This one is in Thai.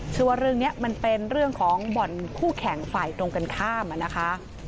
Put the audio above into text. เชื่อว่าเรื่องนี้มันเป็นเรื่องของบ่อนคู่แข่งฝ่ายตรงกันข้ามนะคะ